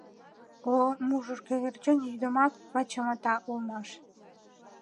О-о, мужыр кӧгӧрчен йӱдымат вычымата улмаш.